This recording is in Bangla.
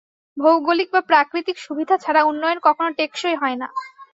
ভৌগোলিক বা প্রাকৃতিক সুবিধা ছাড়া উন্নয়ন কখনো টেকসই হয় না।